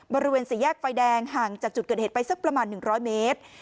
บริเวณสี่แยกไฟแดงห่างจากจุดเกิดเหตุไปสักประมาณ๑๐๐เมตร